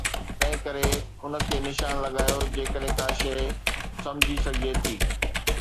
تنهن ڪري ان کي نشان لڳايو جيڪڏهن ڪا شيء سمجهي سگهجي ٿي.